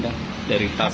hp yang masih ditinggal